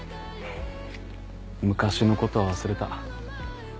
昔の事は忘れた。